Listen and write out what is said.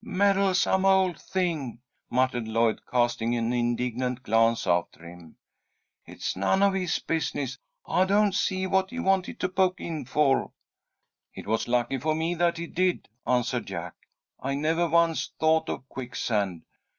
"Meddlesome old thing!" muttered Lloyd, casting an indignant glance after him. "It's none of his business. I don't see what he wanted to poke in for." "It was lucky for me that he did," answered Jack. "I never once thought of quicksand.